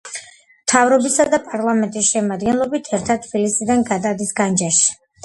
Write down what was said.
მთავრობისა და პარლამენტის შემადგენლობასთან ერთად თბილისიდან გადადის განჯაში.